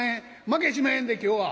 まけしまへんで今日は。